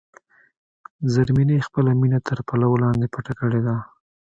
زرمینې خپله مینه تر پلو لاندې پټه کړې ده.